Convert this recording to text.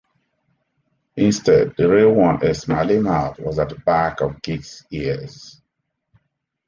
Instead, the real one-a "smiley mouth"-was at the back of Gig's ears.